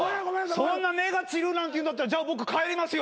そんな目が散るなんて言うんだったら僕帰りますよ。